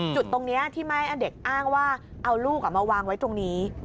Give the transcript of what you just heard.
จุดตรงนี้ที่แม่เด็กอ้างว่าเอาลูกมาวางไว้ตรงนี้